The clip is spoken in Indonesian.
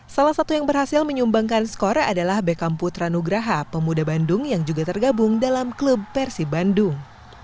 salah satu yang berhasil menyumbangkan skor adalah beckham putra nugraha pemuda bandung yang juga tergabung dalam klub persi bandung